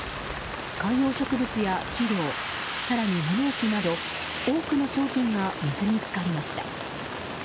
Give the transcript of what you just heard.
観葉植物や肥料、更に物置など多くの商品が水に浸かりました。